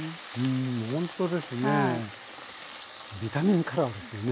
んほんとですね。